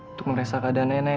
untuk meresah keadaan nenek